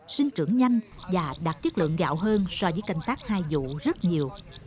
sinh trưởng nhanh và đạt chất lượng gạo hơn so với canh tác hai vụ rất nhiều